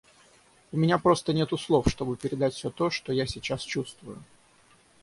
У меня просто нету слов, чтобы передать все то, что я сейчас чувствую.